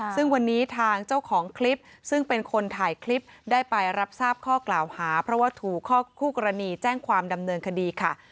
ซึ่งวันนี้ทางเจ้าของคลิปซึ่งเป็นคนถ่ายคลิปได้ไปรับทราบข้อกล่าวหาเพราะว่าถูกคู่กรณีแจ้งความดำเนินคดีค่ะ